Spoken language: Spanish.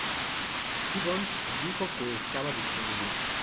Gibbons dijo que estaba disponible.